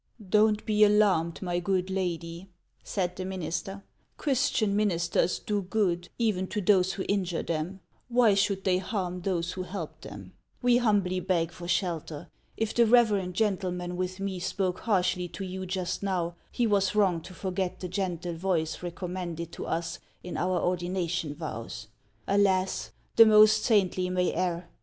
" Don't be alarmed, my good lady," said the minister. " Christian ministers do good even to those who injure them ; why should they harm those who help them ? We humbly beg for shelter. If the reverend gentleman with me spoke harshly to you just now, he was wrong to forget the gentle voice recommended to us in our ordina tion vows. Alas ! the most saintly may err.